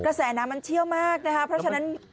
แสน้ำมันเชี่ยวมากนะคะเพราะฉะนั้น